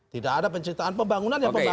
tidak ada pencitraan pembangunan ya pembangunan